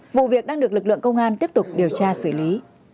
vụ việc đang được lực lượng công an tiếp tục điều tra xử lý